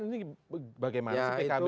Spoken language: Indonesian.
ini bagaimana pkb ini